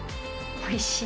おいしい。